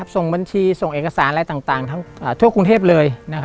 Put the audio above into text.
ส่งบัญชีส่งเอกสารอะไรต่างทั่วกรุงเทพเลย